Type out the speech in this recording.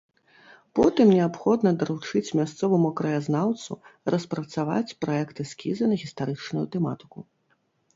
Потым неабходна даручыць мясцоваму краязнаўцу распрацаваць праект эскіза на гістарычную тэматыку.